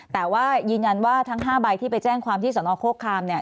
แต่ว่ายืนยันว่าทั้ง๕ใบที่ไปแจ้งความที่สนโคคามเนี่ย